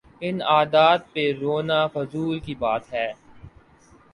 ان عادات پہ رونا فضول کی بات ہے۔